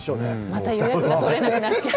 また予約が取れなくなっちゃう。